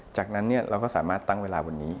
จากนั้นเราก็สามารถตั้งเวลาวันนี้